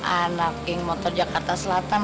anak geng motor jakarta selatan